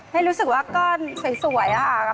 ให้รู้สึกว่าก้อนสวยค่ะ